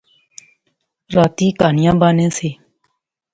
راتیں کہانیاں بانے سے